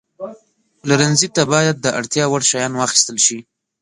پلورنځي ته باید د اړتیا وړ شیان واخیستل شي.